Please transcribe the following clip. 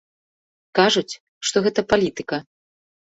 Кажуць, што гэта палітыка.